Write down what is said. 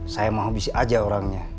saya mau habis aja orangnya